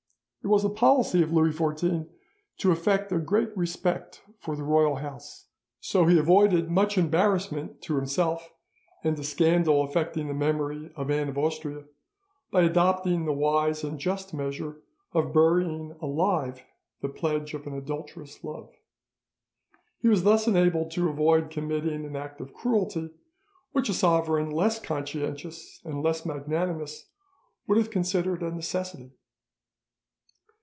It was the policy of Louis XIV to affect a great respect for the royal house, so he avoided much embarrassment to himself and a scandal affecting the memory of Anne of Austria by adopting the wise and just measure of burying alive the pledge of an adulterous love. He was thus enabled to avoid committing an act of cruelty, which a sovereign less conscientious and less magnanimous would have considered a necessity.